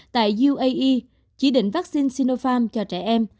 tại uae chỉ định vaccine sinopharm cho trẻ em